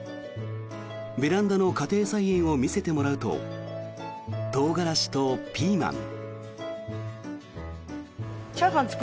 ベランダの家庭菜園を見せてもらうとトウガラシとピーマン。